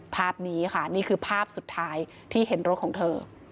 ภาพนี้ค่ะนี่คือภาพสุดท้ายที่เห็นรถของเธอ